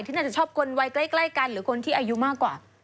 น่าจะชอบคนวัยใกล้กันหรือคนที่อายุมากกว่า